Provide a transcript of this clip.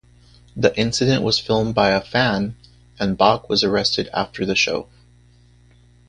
The incident was filmed by a fan and Bach was arrested after the show.